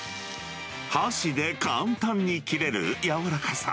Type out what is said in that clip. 箸で簡単に切れるやわらかさ。